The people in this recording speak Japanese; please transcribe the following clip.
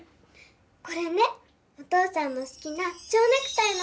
これねお父さんのすきなちょうネクタイのかたちなの。